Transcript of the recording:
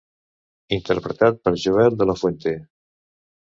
Interpretat per Joel de la Fuente.